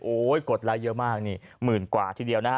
โอ้โหกดไลค์เยอะมากนี่หมื่นกว่าทีเดียวนะฮะ